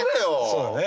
そうだね。